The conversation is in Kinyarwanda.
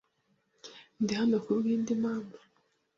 Ndi hano kubwindi mpamvu.